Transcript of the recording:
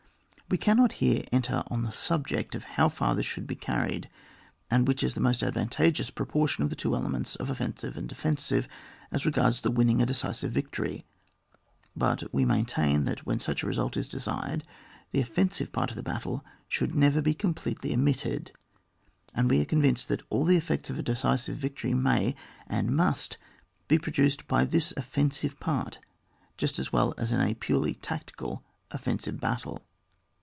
We cannot here enter on the subject of how far this should be carried, and which is the most advantageous proportion of the two elements of offensive and defen sive, as regards the winning a decisive victory. But we maintain that when such a result is desired, the offensive part of the battle should never be completely omitted, and we are convinced that aU the effects of a decisive victory may and must be produced by this offensive part, just as well as in a purely tactical offen sive battle.